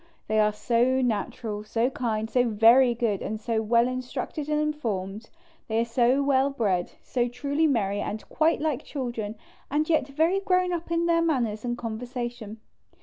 They are so natural, so kind, so very good and so well instructed and informed ; they are so well bred, so truly merry and quite like children and yet very grown up in their manners and conversation.